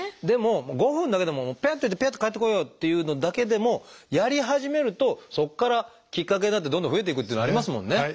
でも５分だけでもパッてやってパッて帰ってこようっていうのだけでもやり始めるとそこからきっかけになってどんどん増えていくっていうのありますもんね。